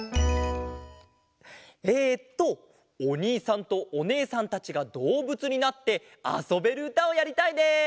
えっとおにいさんとおねえさんたちがどうぶつになってあそべるうたをやりたいです。